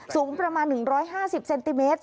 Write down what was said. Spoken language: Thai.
สูงประมาณ๑๕๐เซนติเมตร